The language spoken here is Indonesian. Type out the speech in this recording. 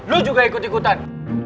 lu juga ikut dua an